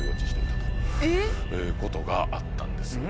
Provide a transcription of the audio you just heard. えっ！ということがあったんです。